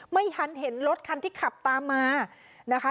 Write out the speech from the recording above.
ไม่ทันเห็นรถคันที่ขับตามมานะคะ